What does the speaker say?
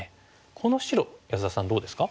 この白安田さんどうですか？